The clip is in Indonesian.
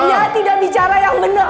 ya tidak bicara yang benar